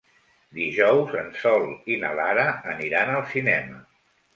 Dijous en Sol i na Lara aniran al cinema.